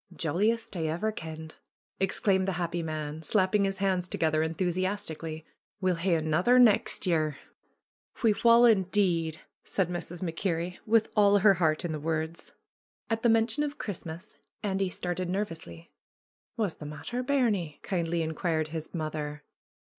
^^Jolliest I ever kenned!" exclaimed the happy man, slapping his hands together enthusiastically. ^'We'll hae anither nex' year." ^^We wull, indeed !" said Mrs. MacKerrie, with all her heart in the words. At the mention of Christmas Andy started nervously. ^^Wha's the matter, bairnie?" kindly inquired his mother.